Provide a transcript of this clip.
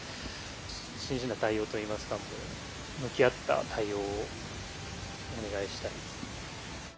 真摯な対応といいますか、向き合った対応をお願いしたい。